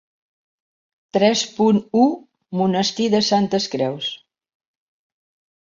Tres punt u Monestir de Santes Creus.